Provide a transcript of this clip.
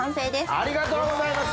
ありがとうございます！